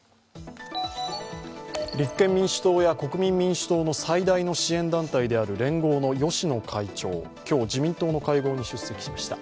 立憲民主党や国民民主党の最大の支援団体である連合の芳野会長、今日、自民党の会合に出席しました。